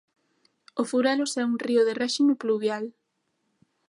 O Furelos é un río de réxime pluvial.